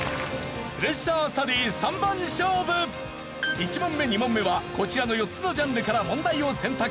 １問目２問目はこちらの４つのジャンルから問題を選択。